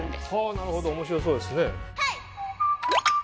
なるほど面白そうですね。